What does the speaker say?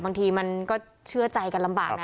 บางทีมันก็เชื่อใจกันลำบากนะ